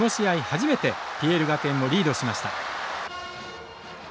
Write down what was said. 初めてＰＬ学園をリードしました。